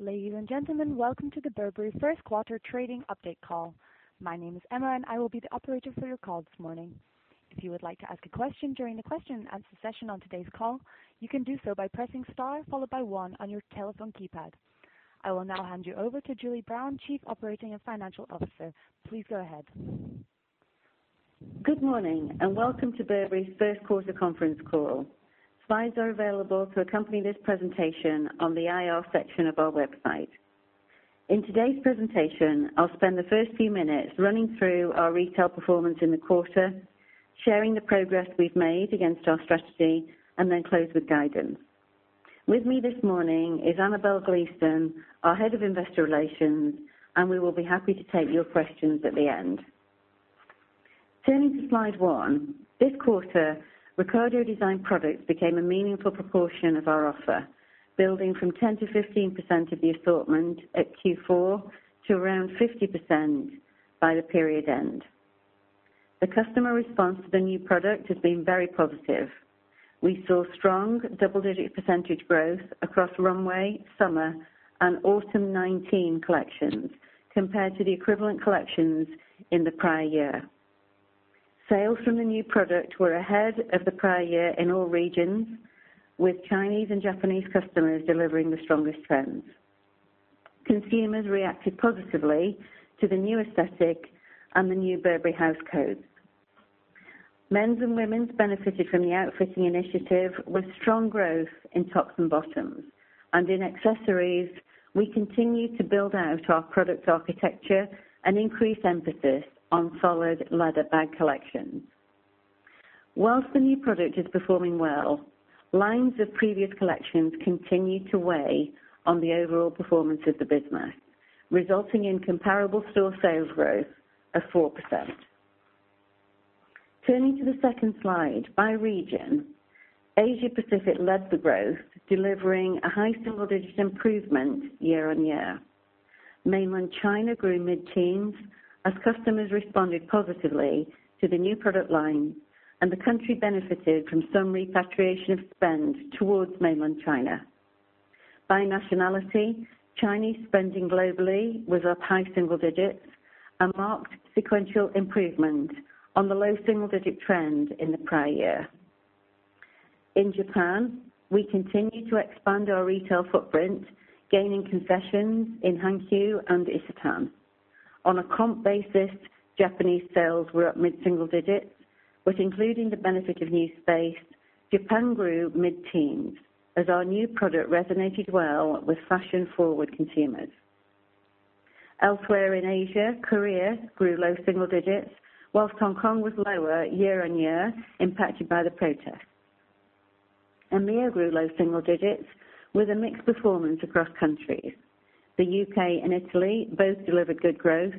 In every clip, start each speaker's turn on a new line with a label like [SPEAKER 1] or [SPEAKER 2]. [SPEAKER 1] Ladies and gentlemen, welcome to the Burberry first quarter trading update call. My name is Emma, and I will be the operator for your call this morning. If you would like to ask a question during the question and answer session on today's call, you can do so by pressing star followed by one on your telephone keypad. I will now hand you over to Julie Brown, Chief Operating and Financial Officer. Please go ahead.
[SPEAKER 2] Good morning, welcome to Burberry's first quarter conference call. Slides are available to accompany this presentation on the IR section of our website. In today's presentation, I'll spend the first few minutes running through our retail performance in the quarter, sharing the progress we've made against our strategy, then close with guidance. With me this morning is Annabel Gleeson, our Head of Investor Relations, we will be happy to take your questions at the end. Turning to slide one. This quarter, Riccardo design products became a meaningful proportion of our offer, building from 10% to 15% of the assortment at Q4 to around 50% by the period end. The customer response to the new product has been very positive. We saw strong double-digit % growth across runway, summer, and autumn 2019 collections compared to the equivalent collections in the prior year. Sales from the new product were ahead of the prior year in all regions, with Chinese and Japanese customers delivering the strongest trends. Consumers reacted positively to the new aesthetic and the new Burberry house code. Men's and women's benefited from the outfitting initiative with strong growth in tops and bottoms. In accessories, we continued to build out our product architecture and increase emphasis on solid leather bag collections. Whilst the new product is performing well, lines of previous collections continue to weigh on the overall performance of the business, resulting in comparable store sales growth of 4%. Turning to the second slide by region. Asia Pacific led the growth, delivering a high single-digit improvement year-on-year. Mainland China grew mid-teens as customers responded positively to the new product line, the country benefited from some repatriation of spend towards mainland China. By nationality, Chinese spending globally was up high single digits, a marked sequential improvement on the low single-digit trend in the prior year. In Japan, we continued to expand our retail footprint, gaining concessions in Hankyu and Isetan. On a comp basis, Japanese sales were up mid-single digits, including the benefit of new space, Japan grew mid-teens as our new product resonated well with fashion-forward consumers. Elsewhere in Asia, Korea grew low single digits, whilst Hong Kong was lower year-on-year, impacted by the protests. EMEA grew low single digits with a mixed performance across countries. The U.K. and Italy both delivered good growth,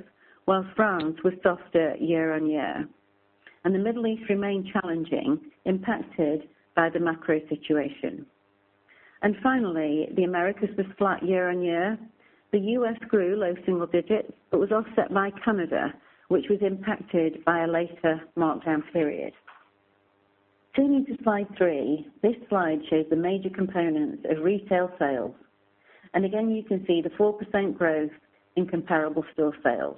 [SPEAKER 2] whilst France was softer year-on-year. The Middle East remained challenging, impacted by the macro situation. Finally, the Americas was flat year-on-year. The U.S. grew low single digits was offset by Canada, which was impacted by a later markdown period. Turning to slide three. This slide shows the major components of retail sales. Again, you can see the 4% growth in comparable store sales.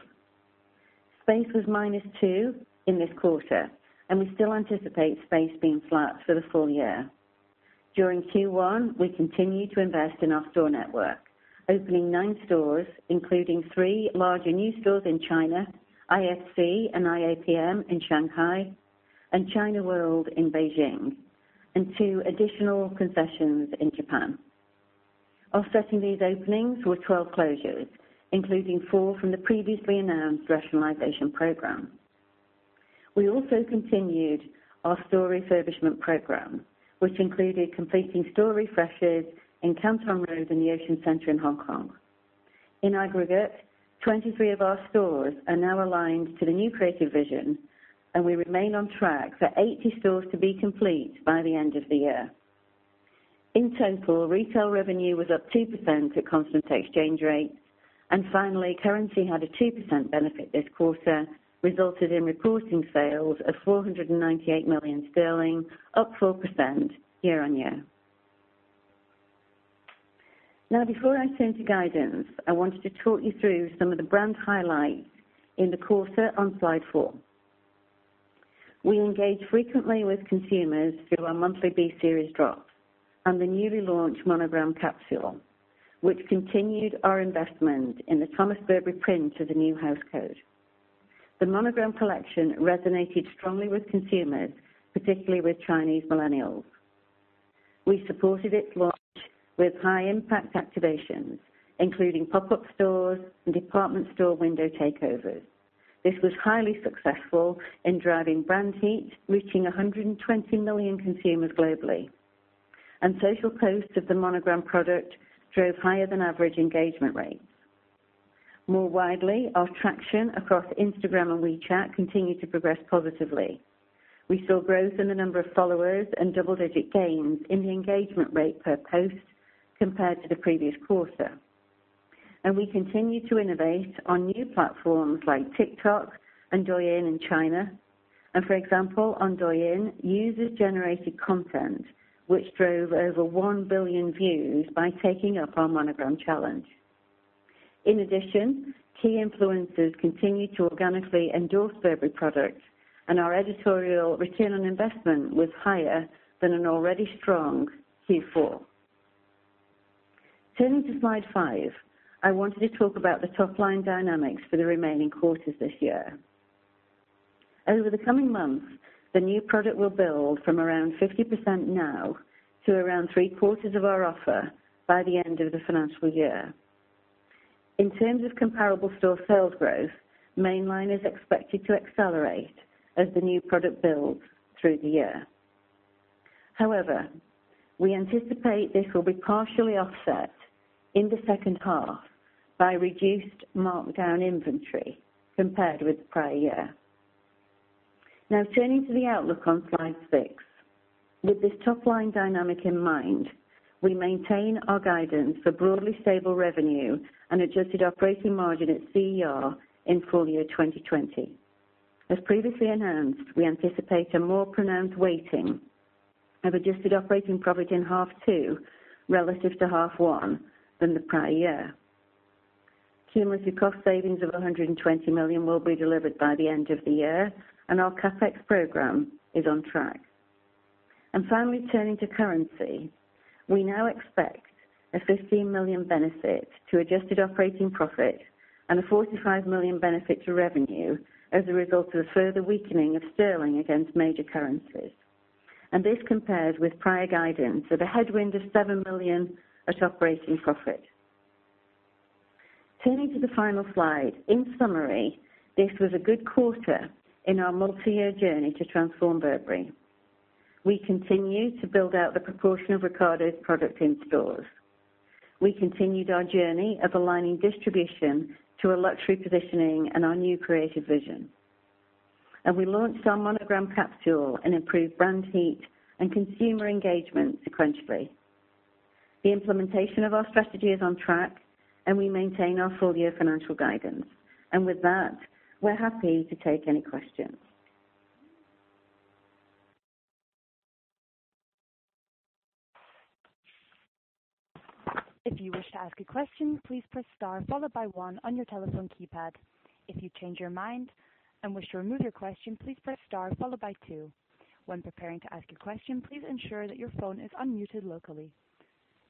[SPEAKER 2] Space was minus two in this quarter, and we still anticipate space being flat for the full year. During Q1, we continued to invest in our store network, opening nine stores, including three larger new stores in China, IFC and IAPM in Shanghai, and China World in Beijing, and two additional concessions in Japan. Offsetting these openings were 12 closures, including four from the previously announced rationalization program. We also continued our store refurbishment program, which included completing store refreshes in Canton Road in the Ocean Center in Hong Kong. In aggregate, 23 of our stores are now aligned to the new creative vision, and we remain on track for 80 stores to be complete by the end of the year. In total, retail revenue was up 2% at constant exchange rates. Finally, currency had a 2% benefit this quarter, resulting in reporting sales of 498 million sterling, up 4% year-over-year. Before I turn to guidance, I wanted to talk you through some of the brand highlights in the quarter on slide four. We engage frequently with consumers through our monthly B Series drops and the newly launched Monogram capsule, which continued our investment in the Thomas Burberry print as a new house code. The Monogram collection resonated strongly with consumers, particularly with Chinese millennials. We supported its launch with high-impact activations, including pop-up stores and department store window takeovers. This was highly successful in driving brand heat, reaching 120 million consumers globally. Social posts of the Monogram product drove higher than average engagement rates. More widely, our traction across Instagram and WeChat continued to progress positively. We saw growth in the number of followers and double-digit gains in the engagement rate per post compared to the previous quarter. We continue to innovate on new platforms like TikTok and Douyin in China. For example, on Douyin, users generated content, which drove over 1 billion views by taking up our Monogram challenge. In addition, key influencers continue to organically endorse Burberry products, and our editorial return on investment was higher than an already strong Q4. Turning to slide five, I wanted to talk about the top-line dynamics for the remaining quarters this year. Over the coming months, the new product will build from around 50% now to around three-quarters of our offer by the end of the financial year. In terms of comparable store sales growth, mainline is expected to accelerate as the new product builds through the year. However, we anticipate this will be partially offset in the second half by reduced markdown inventory compared with prior year. Turning to the outlook on slide six. With this top-line dynamic in mind, we maintain our guidance for broadly stable revenue and adjusted operating margin at CER in full-year 2020. As previously announced, we anticipate a more pronounced weighting of adjusted operating profit in half two relative to half one than the prior year. Cumulative cost savings of 120 million will be delivered by the end of the year, and our CapEx program is on track. Finally, turning to currency. We now expect a 15 million benefit to adjusted operating profit and a 45 million benefit to revenue as a result of the further weakening of sterling against major currencies. This compares with prior guidance of a headwind of seven million at operating profit. Turning to the final slide. In summary, this was a good quarter in our multi-year journey to transform Burberry. We continue to build out the proportion of Riccardo product in stores. We continued our journey of aligning distribution to a luxury positioning and our new creative vision. We launched our Monogram capsule and improved brand heat and consumer engagement sequentially. The implementation of our strategy is on track, and we maintain our full-year financial guidance. With that, we're happy to take any questions.
[SPEAKER 1] If you wish to ask a question, please press star followed by one on your telephone keypad. If you change your mind and wish to remove your question, please press star followed by two. When preparing to ask a question, please ensure that your phone is unmuted locally.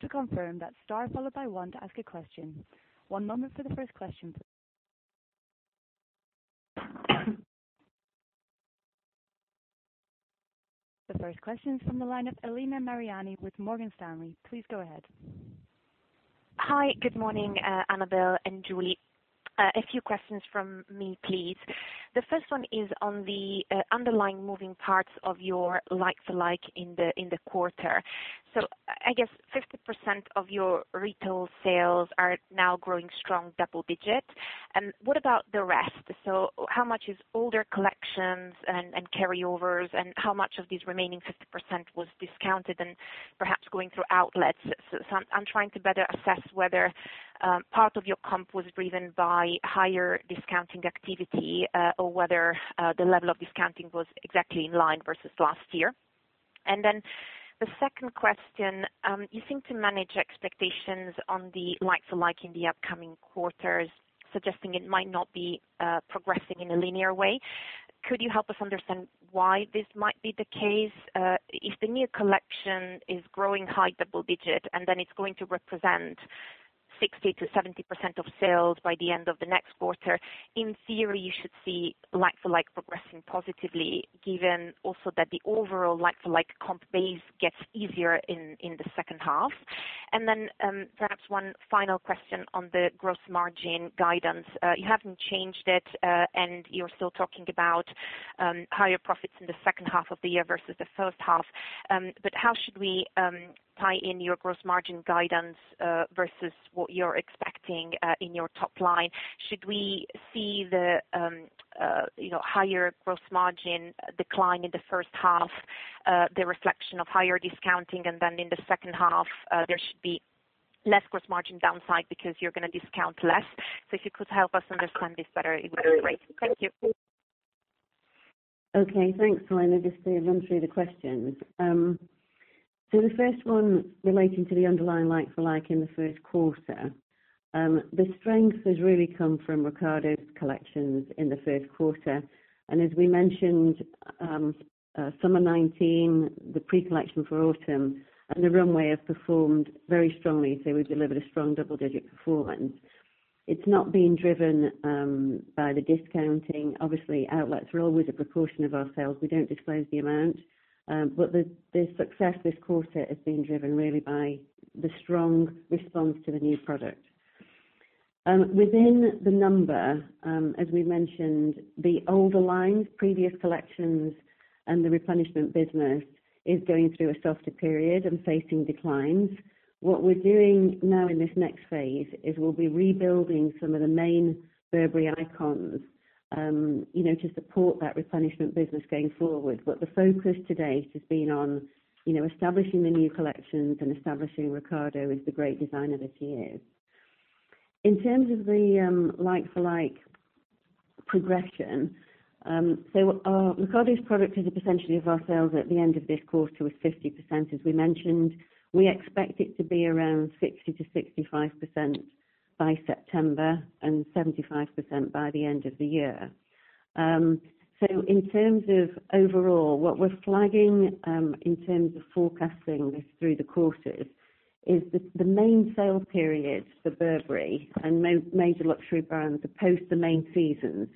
[SPEAKER 1] To confirm, that's star followed by one to ask a question. One moment for the first question. The first question is from the line of Elena Mariani with Morgan Stanley. Please go ahead.
[SPEAKER 3] Hi. Good morning, Annabel and Julie. A few questions from me, please. The first one is on the underlying moving parts of your like-for-like in the quarter. I guess 50% of your retail sales are now growing strong double digit. What about the rest? How much is older collections and carryovers, and how much of this remaining 50% was discounted and perhaps going through outlets? I'm trying to better assess whether part of your comp was driven by higher discounting activity or whether the level of discounting was exactly in line versus last year. Then the second question, you seem to manage expectations on the like-for-like in the upcoming quarters, suggesting it might not be progressing in a linear way. Could you help us understand why this might be the case? If the new collection is growing high double digit, then it's going to represent 60%-70% of sales by the end of the next quarter, in theory, you should see like-for-like progressing positively, given also that the overall like-for-like comp base gets easier in the second half. Then perhaps one final question on the gross margin guidance. You haven't changed it, and you're still talking about higher profits in the second half of the year versus the first half. How should we tie in your gross margin guidance versus what you're expecting in your top line? Should we see the higher gross margin decline in the first half, the reflection of higher discounting, then in the second half, there should be less gross margin downside because you're going to discount less? If you could help us understand this better, it would be great. Thank you.
[SPEAKER 2] Okay. Thanks, Elena. Just to run through the questions. The 1st one relating to the underlying like-for-like in the 1st quarter. The strength has really come from Riccardo's collections in the 1st quarter. As we mentioned, summer 2019, the pre-collection for autumn and the runway have performed very strongly. We've delivered a strong double-digit performance. It's not been driven by the discounting. Obviously, outlets are always a proportion of our sales. We don't disclose the amount. The success this quarter has been driven really by the strong response to the new product. Within the number, as we mentioned, the older lines, previous collections, and the replenishment business is going through a softer period and facing declines. What we're doing now in this next phase is we'll be rebuilding some of the main Burberry icons to support that replenishment business going forward. The focus to date has been on establishing the new collections and establishing Riccardo as the great designer that he is. In terms of the like-for-like progression, Riccardo's product is potentially of our sales at the end of this quarter was 50%, as we mentioned. We expect it to be around 60%-65% by September and 75% by the end of the year. In terms of overall, what we're flagging in terms of forecasting this through the courses is the main sale periods for Burberry and major luxury brands are post the main seasons.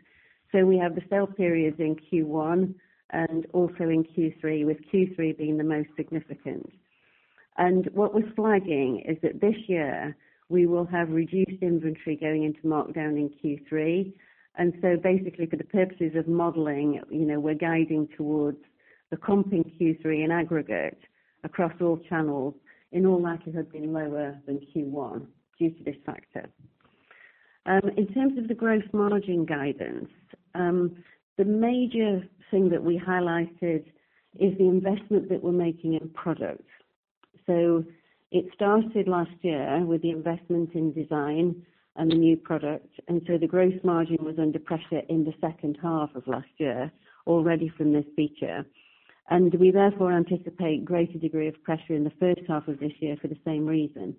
[SPEAKER 2] We have the sale periods in Q1 and also in Q3, with Q3 being the most significant. What we're flagging is that this year, we will have reduced inventory going into markdown in Q3, basically for the purposes of modeling, we're guiding towards the comp in Q3 in aggregate across all channels in all likelihood being lower than Q1 due to this factor. In terms of the gross margin guidance, the major thing that we highlighted is the investment that we're making in product. It started last year with the investment in design and the new product, the gross margin was under pressure in the second half of last year already from this feature. We therefore anticipate greater degree of pressure in the first half of this year for the same reason.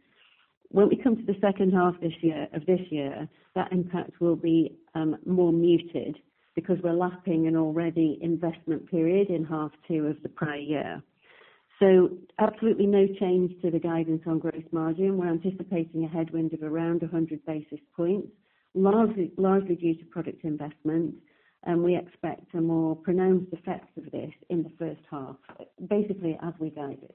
[SPEAKER 2] We come to the second half of this year, that impact will be more muted because we're lapping an already investment period in half two of the prior year. Absolutely no change to the guidance on gross margin. We're anticipating a headwind of around 100 basis points, largely due to product investment, and we expect a more pronounced effect of this in the first half, basically as we guided.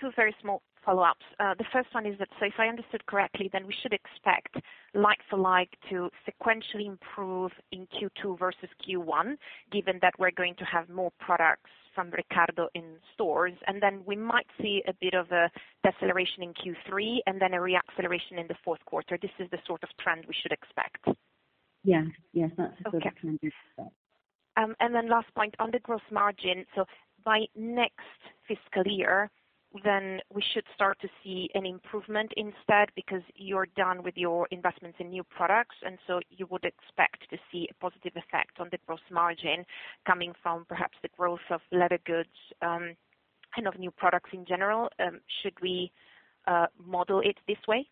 [SPEAKER 3] Two very small follow-ups. The first one is that, if I understood correctly, we should expect like for like to sequentially improve in Q2 versus Q1, given that we're going to have more products from Riccardo in stores, and we might see a bit of a deceleration in Q3 and a re-acceleration in the fourth quarter. This is the sort of trend we should expect.
[SPEAKER 2] Yeah. That's the sort of trend we expect.
[SPEAKER 3] Okay. Last point on the gross margin. By next fiscal year, we should start to see an improvement instead because you're done with your investments in new products, you would expect to see a positive effect on the gross margin coming from perhaps the growth of leather goods, and of new products in general. Should we model it this way?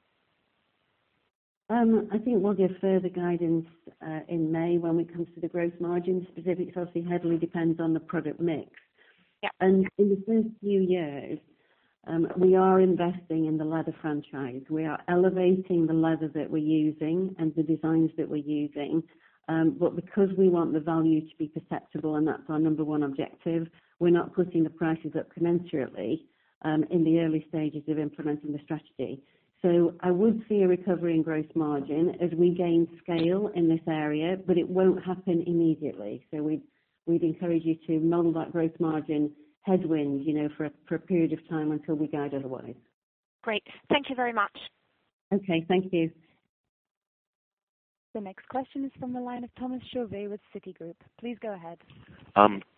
[SPEAKER 2] I think we'll give further guidance in May when it comes to the gross margin specifics. Obviously, heavily depends on the product mix.
[SPEAKER 3] Yeah.
[SPEAKER 2] In the first few years, we are investing in the leather franchise. We are elevating the leather that we're using and the designs that we're using. Because we want the value to be perceptible, and that's our number 1 objective, we're not putting the prices up commensurately, in the early stages of implementing the strategy. I would see a recovery in gross margin as we gain scale in this area, but it won't happen immediately. We'd encourage you to model that gross margin headwind for a period of time until we guide otherwise.
[SPEAKER 3] Great. Thank you very much.
[SPEAKER 2] Okay. Thank you.
[SPEAKER 1] The next question is from the line of Thomas Chauvet with Citigroup. Please go ahead.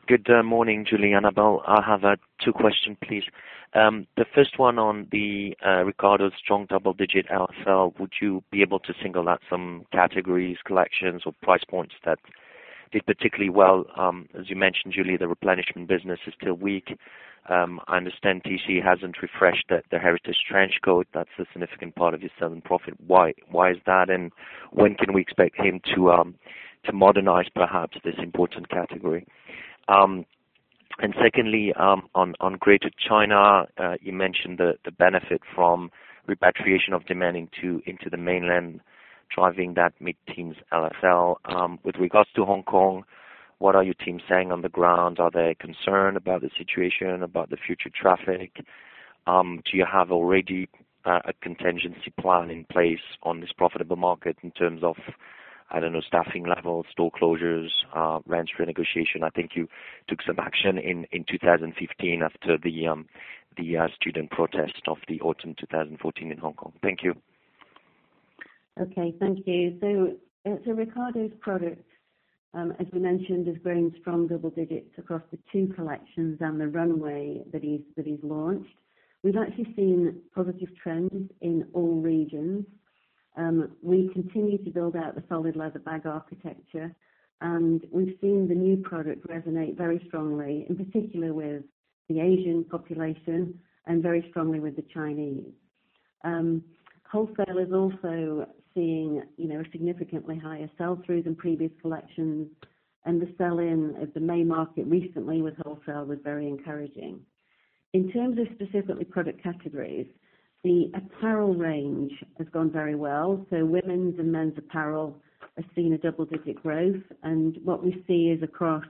[SPEAKER 4] Good morning, Julie and Annabel. I have two question, please. The first one on the Riccardo strong double-digit LFL. Would you be able to single out some categories, collections, or price points that did particularly well? As you mentioned, Julie, the replenishment business is still weak. I understand Tisci hasn't refreshed the Heritage Trench Coat. That's a significant part of his selling profit. Why is that, and when can we expect him to modernize perhaps this important category? Secondly, on greater China, you mentioned the benefit from repatriation of demand into the mainland, driving that mid-teens LFL. With regards to Hong Kong, what are your teams saying on the ground? Are they concerned about the situation, about the future traffic? Do you have already a contingency plan in place on this profitable market in terms of, I don't know, staffing levels, store closures, rent renegotiation? I think you took some action in 2015 after the student protest of the autumn 2014 in Hong Kong. Thank you.
[SPEAKER 2] Okay. Thank you. Riccardo's product, as we mentioned, is growing strong double digits across the two collections and the runway that he's launched. We've actually seen positive trends in all regions. We continue to build out the solid leather bag architecture, and we've seen the new product resonate very strongly, in particular with the Asian population and very strongly with the Chinese. Wholesale is also seeing significantly higher sell-throughs than previous collections, and the sell-in at the May market recently with wholesale was very encouraging. In terms of specifically product categories, the apparel range has gone very well. Women's and men's apparel have seen a double-digit growth, and what we see is across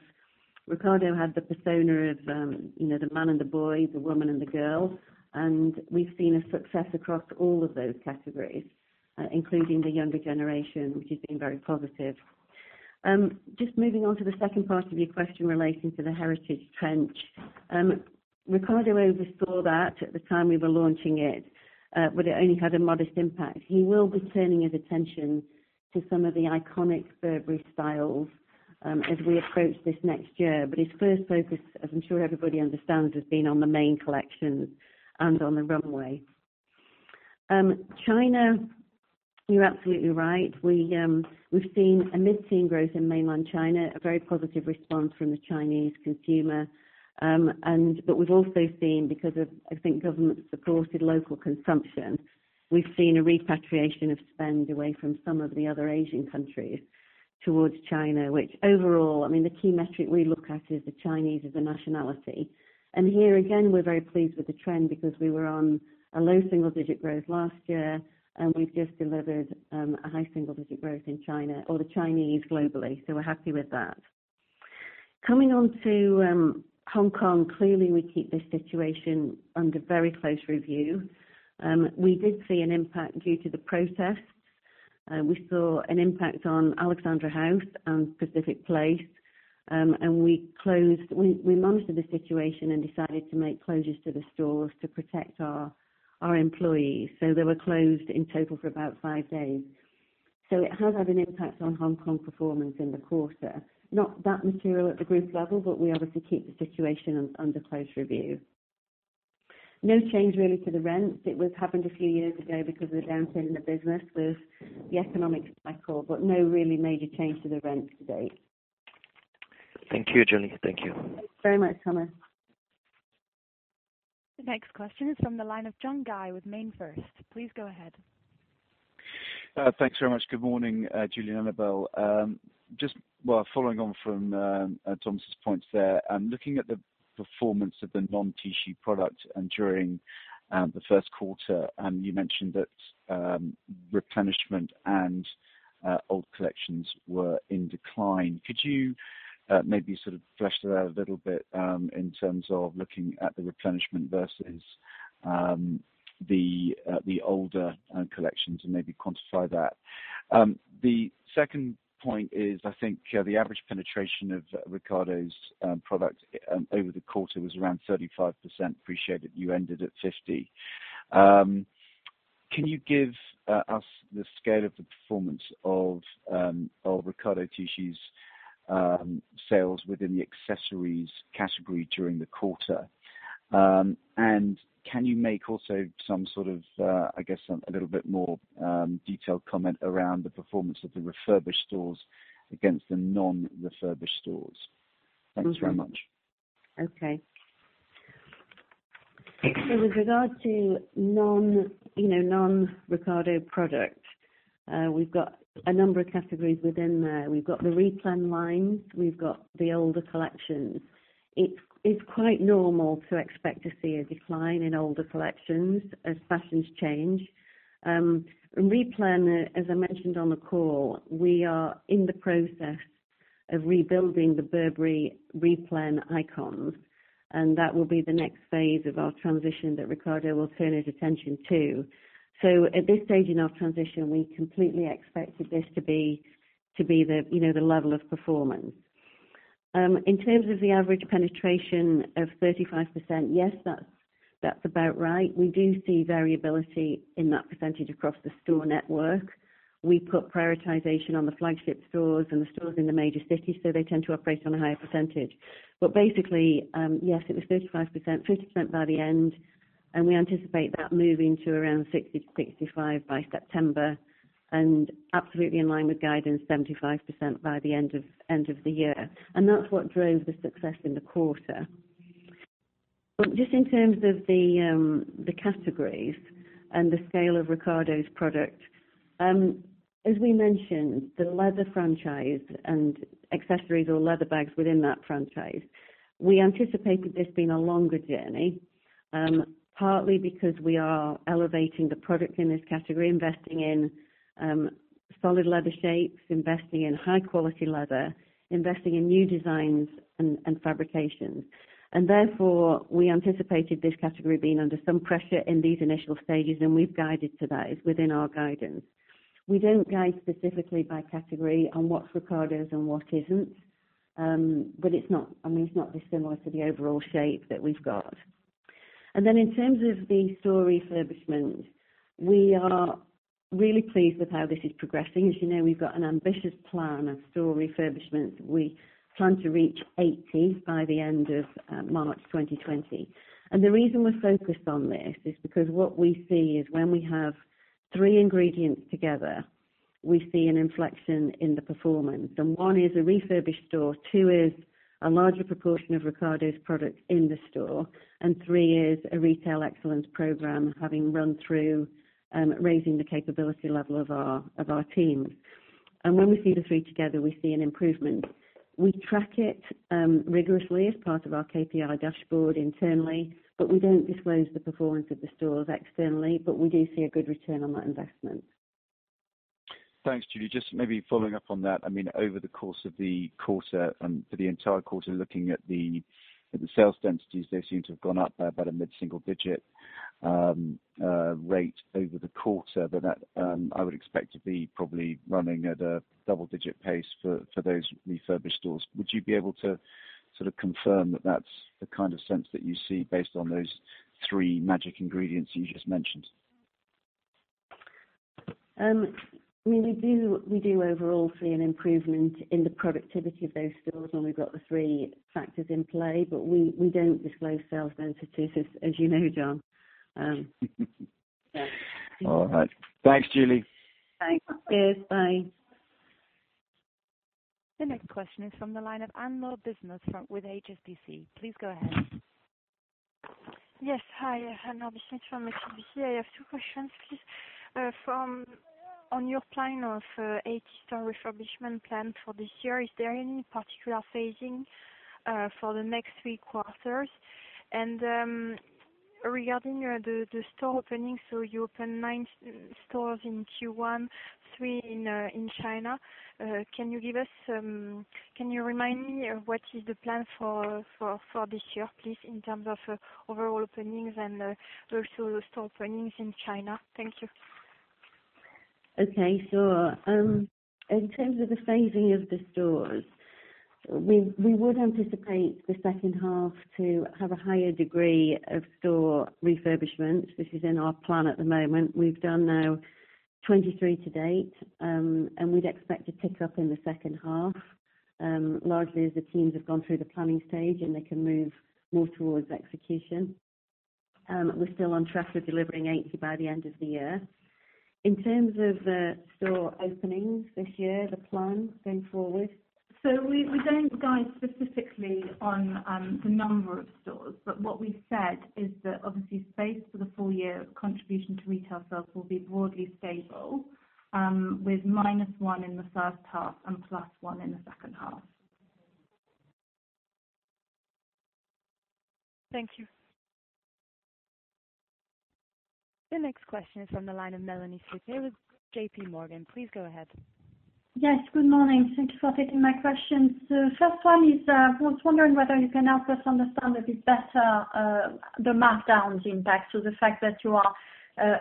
[SPEAKER 2] Riccardo had the persona of the man and the boy, the woman and the girl, and we've seen a success across all of those categories, including the younger generation, which has been very positive. Just moving on to the second part of your question relating to the Heritage Trench. Riccardo oversaw that at the time we were launching it, but it only had a modest impact. He will be turning his attention to some of the iconic Burberry styles as we approach this next year. His first focus, as I'm sure everybody understands, has been on the main collection and on the runway. China. You're absolutely right. We've seen a mid-teen growth in Mainland China, a very positive response from the Chinese consumer. We've also seen because of, I think, government supported local consumption, we've seen a repatriation of spend away from some of the other Asian countries towards China, which overall, the key metric we look at is the Chinese as a nationality. Here again, we're very pleased with the trend because we were on a low single-digit growth last year, and we've just delivered a high single-digit growth in China or the Chinese globally. We're happy with that. Coming on to Hong Kong, clearly we keep this situation under very close review. We did see an impact due to the protests. We saw an impact on Alexandra House and Pacific Place. We monitored the situation and decided to make closures to the stores to protect our employees. They were closed in total for about five days. It has had an impact on Hong Kong performance in the quarter, not that material at the group level, but we obviously keep the situation under close review. No change really to the rents. It happened a few years ago because of the downturn in the business with the economic cycle, no really major change to the rents to date.
[SPEAKER 4] Thank you, Julie. Thank you.
[SPEAKER 2] Thanks very much, Thomas.
[SPEAKER 1] The next question is from the line of John Guy with MainFirst. Please go ahead.
[SPEAKER 5] Thanks very much. Good morning, Julie and Annabel. Just following on from Thomas' points there, looking at the performance of the non-Tisci product during the first quarter, you mentioned that replenishment and old collections were in decline. Could you maybe sort of flesh that out a little bit in terms of looking at the replenishment versus the older collections and maybe quantify that? The second point is, I think the average penetration of Riccardo's product over the quarter was around 35%. Appreciate that you ended at 50. Can you give us the scale of the performance of Riccardo Tisci's sales within the accessories category during the quarter? And can you make also some sort of, I guess, a little bit more detailed comment around the performance of the refurbished stores against the non-refurbished stores? Thanks very much.
[SPEAKER 2] With regard to non-Riccardo products, we've got a number of categories within there. We've got the replen lines, we've got the older collections. It's quite normal to expect to see a decline in older collections as fashions change. Replen, as I mentioned on the call, we are in the process of rebuilding the Burberry replen icons, and that will be the next phase of our transition that Riccardo will turn his attention to. At this stage in our transition, we completely expected this to be the level of performance. In terms of the average penetration of 35%, yes, that's about right. We do see variability in that percentage across the store network. We put prioritization on the flagship stores and the stores in the major cities, so they tend to operate on a higher percentage. Basically, yes, it was 35%, 50% by the end, and we anticipate that moving to around 60%-65% by September, absolutely in line with guidance, 75% by the end of the year. That's what drove the success in the quarter. Just in terms of the categories and the scale of Riccardo's product, as we mentioned, the leather franchise and accessories or leather bags within that franchise, we anticipated this being a longer journey, partly because we are elevating the product in this category, investing in solid leather shapes, investing in high-quality leather, investing in new designs and fabrications. Therefore, we anticipated this category being under some pressure in these initial stages, and we've guided to that. It's within our guidance. We don't guide specifically by category on what's Riccardo's and what isn't. It's not dissimilar to the overall shape that we've got. Then in terms of the store refurbishment, we are really pleased with how this is progressing. As you know, we've got an ambitious plan of store refurbishment. We plan to reach 80 by the end of March 2020. The reason we're focused on this is because what we see is when we have three ingredients together, we see an inflection in the performance. 1 is a refurbished store, 2 is a larger proportion of Riccardo's product in the store, and 3 is a retail excellence program having run through, raising the capability level of our teams. When we see the three together, we see an improvement. We track it rigorously as part of our KPI dashboard internally, we don't disclose the performance of the stores externally. We do see a good return on that investment.
[SPEAKER 5] Thanks, Julie. Just maybe following up on that, over the course of the quarter and for the entire quarter, looking at the sales densities, they seem to have gone up by the mid-single digit rate over the quarter. That I would expect to be probably running at a double-digit pace for those refurbished stores. Would you be able to sort of confirm that that's the kind of sense that you see based on those three magic ingredients you just mentioned.
[SPEAKER 2] We do overall see an improvement in the productivity of those stores when we've got the three factors in play, we don't disclose sales sensitivities, as you know, John.
[SPEAKER 5] All right. Thanks, Julie.
[SPEAKER 2] Thanks. Cheers. Bye.
[SPEAKER 1] The next question is from the line of Anne-Laure Bismuth with HSBC. Please go ahead.
[SPEAKER 6] Yes. Hi, Anne-Laure Bismuth from HSBC. I have two questions, please. On your plan of 80 store refurbishment plan for this year, is there any particular phasing for the next three quarters? Regarding the store openings, so you opened nine stores in Q1, three in China. Can you remind me what is the plan for this year, please, in terms of overall openings and also store openings in China? Thank you.
[SPEAKER 2] Okay. In terms of the phasing of the stores, we would anticipate the second half to have a higher degree of store refurbishment, which is in our plan at the moment. We've done now 23 to date, and we'd expect to pick up in the second half, largely as the teams have gone through the planning stage, and they can move more towards execution. We're still on track with delivering 80 by the end of the year. In terms of the store openings this year, the plan going forward, we don't guide specifically on the number of stores, but what we said is that obviously space for the full year contribution to retail sales will be broadly stable, with minus one in the first half and plus one in the second half.
[SPEAKER 6] Thank you.
[SPEAKER 1] The next question is from the line of Melanie Supe with JP Morgan. Please go ahead.
[SPEAKER 7] Yes, good morning. Thank you for taking my questions. First one is, I was wondering whether you can help us understand a bit better the markdowns impact. The fact that you are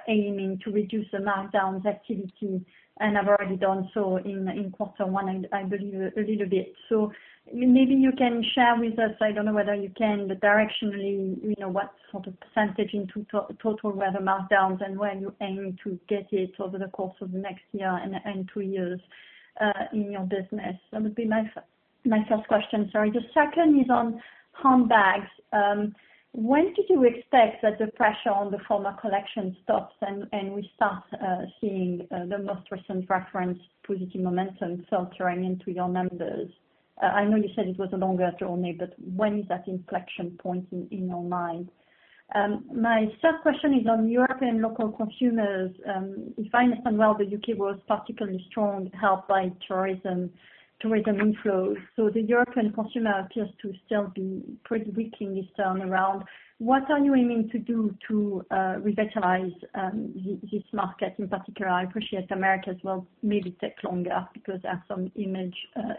[SPEAKER 7] aiming to reduce the markdowns activity, and have already done so in quarter one, I believe a little bit. Maybe you can share with us, I don't know whether you can, the directionally, what sort of percentage into total were the markdowns and where you aim to get it over the course of the next year and two years in your business. That would be my first question. Sorry. The second is on handbags. When did you expect that the pressure on the former collection stops and we start seeing the most recent reference positive momentum filtering into your numbers? I know you said it was a longer journey, but when is that inflection point in your mind? My third question is on European local consumers. If I understand well, the U.K. was particularly strong, helped by tourism inflows. The European consumer appears to still be pretty weak in this turn around. What are you aiming to do to revitalize this market in particular? I appreciate America as well, maybe takes longer because there are some image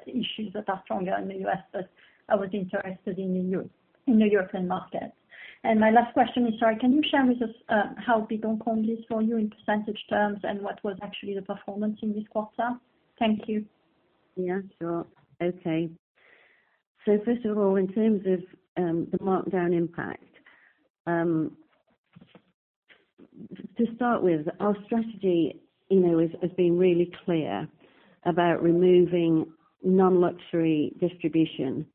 [SPEAKER 7] issues that are stronger in the U.S., but I was interested in the European market. My last question is, sorry, can you share with us how big Hong Kong is for you in percentage terms, and what was actually the performance in this quarter? Thank you.
[SPEAKER 2] Yeah, sure. Okay. First of all, in terms of the markdown impact. To start with, our strategy has been really clear about removing non-luxury distribution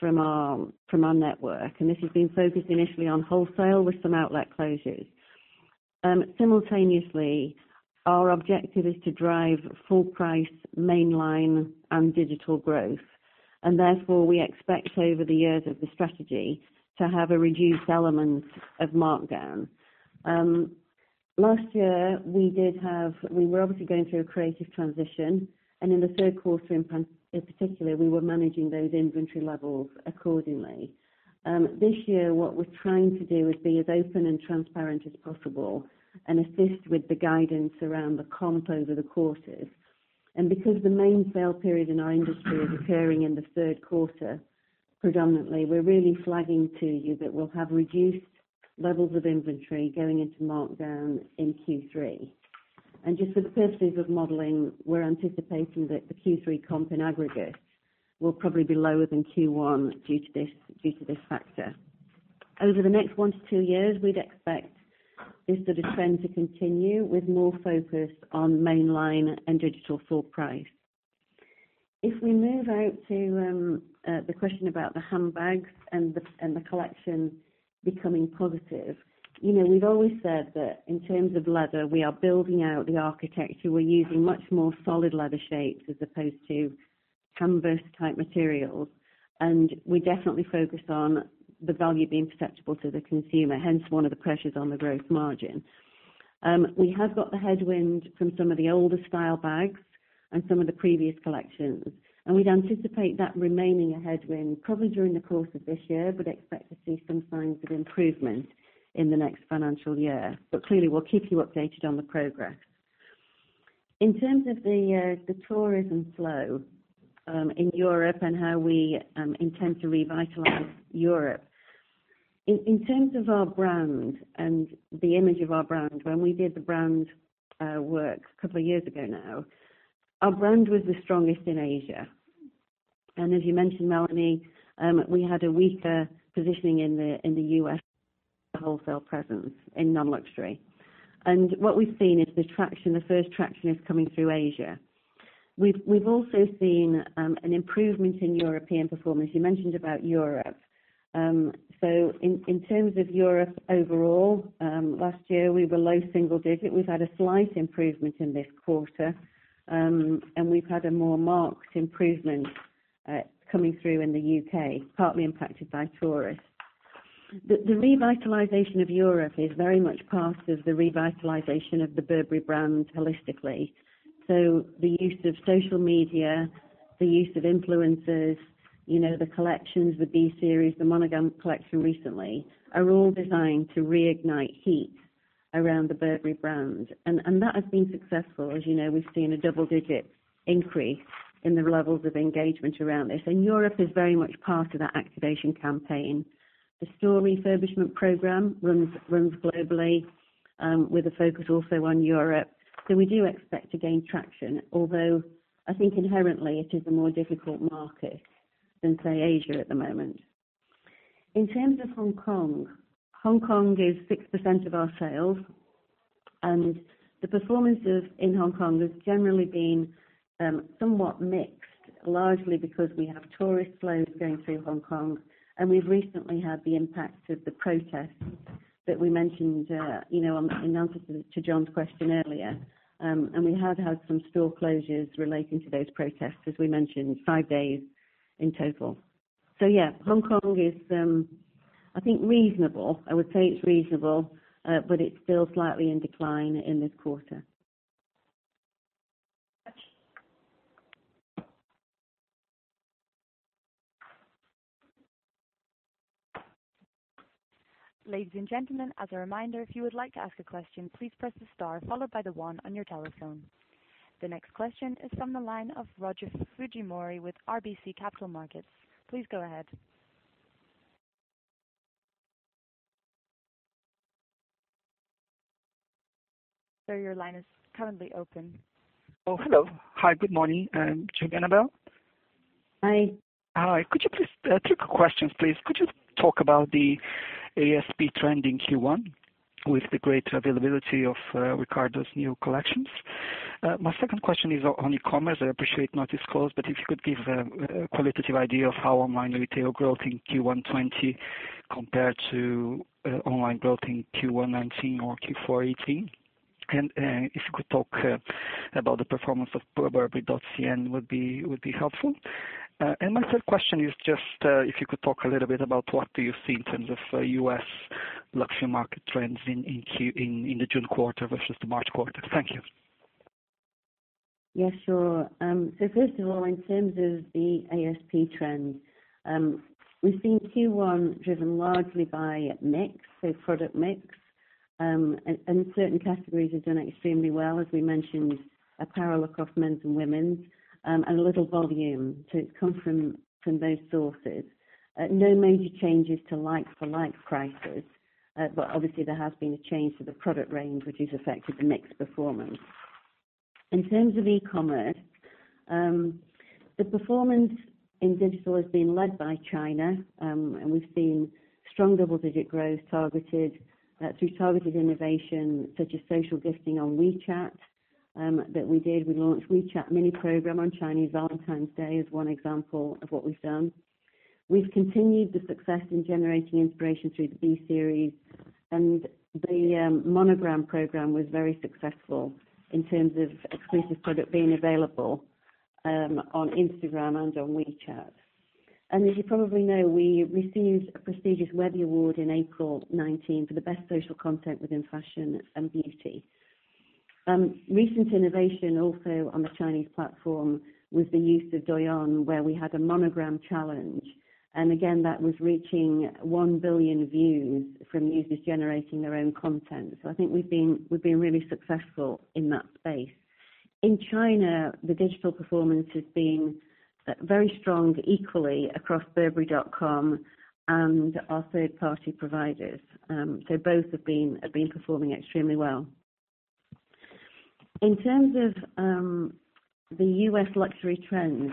[SPEAKER 2] from our network, and this has been focused initially on wholesale with some outlet closures. Simultaneously, our objective is to drive full price mainline and digital growth, and therefore, we expect over the years of the strategy to have a reduced element of markdown. Last year, we were obviously going through a creative transition, and in the third quarter in particular, we were managing those inventory levels accordingly. This year, what we're trying to do is be as open and transparent as possible and assist with the guidance around the comp over the quarters. Because the main sale period in our industry is occurring in the third quarter predominantly, we're really flagging to you that we'll have reduced levels of inventory going into markdown in Q3. Just for the purposes of modeling, we're anticipating that the Q3 comp in aggregate will probably be lower than Q1 due to this factor. Over the next 1-2 years, we'd expect this sort of trend to continue with more focus on mainline and digital full price. If we move out to the question about the handbags and the collection becoming positive. We've always said that in terms of leather, we are building out the architecture. We're using much more solid leather shapes as opposed to canvas type materials, and we definitely focus on the value being perceptible to the consumer, hence one of the pressures on the growth margin. We have got the headwind from some of the older style bags and some of the previous collections, and we'd anticipate that remaining a headwind probably during the course of this year, but expect to see some signs of improvement in the next financial year. Clearly, we'll keep you updated on the progress. In terms of the tourism flow in Europe and how we intend to revitalize Europe. In terms of our brand and the image of our brand, when we did the brand work a couple of years ago now, our brand was the strongest in Asia. As you mentioned, Melanie, we had a weaker positioning in the U.S. wholesale presence in non-luxury. What we've seen is the traction, the first traction is coming through Asia. We've also seen an improvement in European performance. You mentioned about Europe. In terms of Europe overall, last year we were low single digit. We've had a slight improvement in this quarter, and we've had a more marked improvement coming through in the U.K., partly impacted by tourists. The revitalization of Europe is very much part of the revitalization of the Burberry brand holistically. The use of social media, the use of influencers, the collections, the B Series, the Monogram collection recently, are all designed to reignite heat around the Burberry brand. That has been successful. As you know, we've seen a double-digit increase in the levels of engagement around this. Europe is very much part of that activation campaign. The store refurbishment program runs globally with a focus also on Europe. We do expect to gain traction, although I think inherently it is a more difficult market than, say, Asia at the moment. In terms of Hong Kong, Hong Kong is 6% of our sales, the performances in Hong Kong have generally been somewhat mixed, largely because we have tourist flows going through Hong Kong, we've recently had the impact of the protests that we mentioned in answer to John's question earlier. We have had some store closures relating to those protests, as we mentioned, five days in total. Yeah, Hong Kong is, I think reasonable. I would say it's reasonable, but it's still slightly in decline in this quarter.
[SPEAKER 1] Ladies and gentlemen, as a reminder, if you would like to ask a question, please press the star followed by the one on your telephone. The next question is from the line of Rogerio Fujimori with RBC Capital Markets. Please go ahead. Sir, your line is currently open.
[SPEAKER 8] Oh, hello. Hi, good morning, Julie Annabel.
[SPEAKER 2] Hi.
[SPEAKER 8] Hi. Three quick questions, please. Could you talk about the ASP trend in Q1 with the greater availability of Riccardo's new collections? My second question is on e-commerce. I appreciate not disclosed, but if you could give a qualitative idea of how online retail growth in Q1 2020 compared to online growth in Q1 2019 or Q4 2018. If you could talk about the performance of burberry.cn would be helpful. My third question is just if you could talk a little bit about what do you see in terms of U.S. luxury market trends in the June quarter versus the March quarter. Thank you.
[SPEAKER 2] Yeah, sure. First of all, in terms of the ASP trends, we've seen Q1 driven largely by mix, product mix, and certain categories have done extremely well. As we mentioned, apparel across men's and women's, and a little volume. It's come from those sources. No major changes to like-for-like prices, but obviously there has been a change to the product range which has affected the mix performance. In terms of e-commerce, the performance in digital has been led by China, and we've seen strong double-digit growth through targeted innovation, such as social gifting on WeChat that we did. We launched WeChat mini program on Chinese Valentine's Day as one example of what we've done. We've continued the success in generating inspiration through the B Series, and the Monogram program was very successful in terms of exclusive product being available on Instagram and on WeChat. As you probably know, we received a prestigious Webby Award in April 2019 for the best social content within fashion and beauty. Recent innovation also on the Chinese platform was the use of Douyin, where we had a Monogram challenge. Again, that was reaching 1 billion views from users generating their own content. I think we've been really successful in that space. In China, the digital performance has been very strong equally across burberry.com and our third-party providers. Both have been performing extremely well. In terms of the U.S. luxury trends,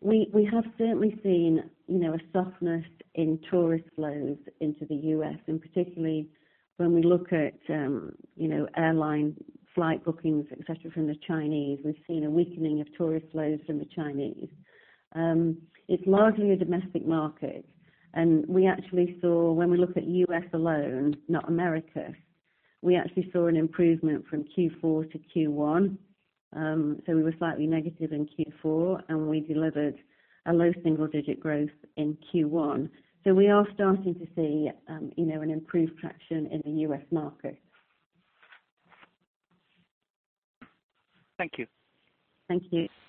[SPEAKER 2] we have certainly seen a softness in tourist flows into the U.S., and particularly when we look at airline flight bookings, et cetera, from the Chinese, we've seen a weakening of tourist flows from the Chinese. It's largely a domestic market, and we actually saw when we look at U.S. alone, not Americas, we actually saw an improvement from Q4 to Q1. We were slightly negative in Q4, and we delivered a low single-digit growth in Q1. We are starting to see an improved traction in the U.S. market.
[SPEAKER 8] Thank you.
[SPEAKER 2] Thank you.